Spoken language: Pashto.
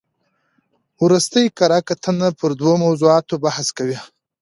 ورستۍ کره کتنه پر درو موضوعاتو بحث کوي.